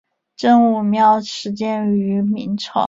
真武庙始建于明朝。